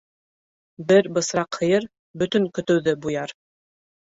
Бер бысраҡ һыйыр бөтөн көтөүҙе буяр.